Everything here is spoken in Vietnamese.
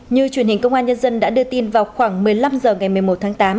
như truyền hình công an nhân dân đã đưa tin vào khoảng một mươi năm h ngày một mươi một tháng tám